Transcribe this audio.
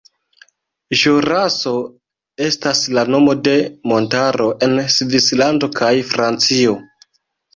Ĵuraso estas la nomo de montaro en Svislando kaj Francio.